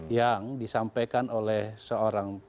yang disampaikan oleh seorang